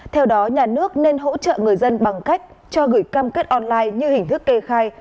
theo đó nhà nước nên hỗ trợ người dân bằng cách cho gửi cam kết online như hình thức kê khai